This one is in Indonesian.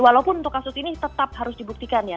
walaupun untuk kasus ini tetap harus dibuktikan ya